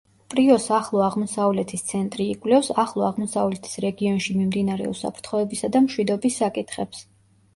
პრიოს ახლო აღმოსავლეთის ცენტრი იკვლევს ახლო აღმოსავლეთის რეგიონში მიმდინარე უსაფრთხოებისა და მშვიდობის საკითხებს.